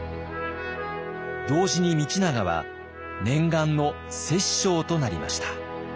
同時に道長は念願の摂政となりました。